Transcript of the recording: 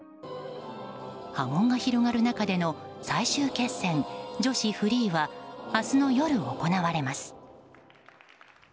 波紋が広がる中での最終決戦女子フリーは明日の夜、行われます。